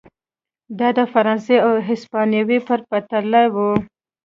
دا د فرانسې او هسپانیې په پرتله و.